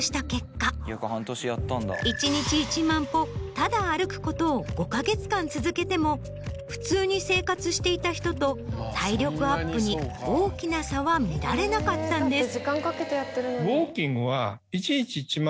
１日１万歩ただ歩くことを５か月間続けても普通に生活していた人と体力アップに大きな差は見られなかったんです。